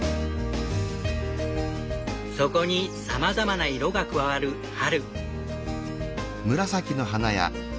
そこにさまざまな色が加わる春。